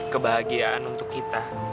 kebahagiaan untuk kita